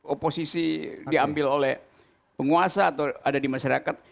oposisi diambil oleh penguasa atau ada di masyarakat